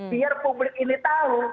biar publik ini tahu